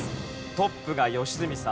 トップが良純さん。